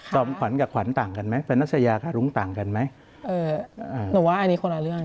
ผมว่าอันนี้คนละเรื่อง